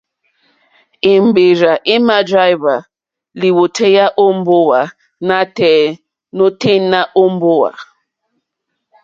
Èmbèrzà èmà dráíhwá lìwòtéyá ó mbówà nǎtɛ̀ɛ̀ nǒténá mbówà.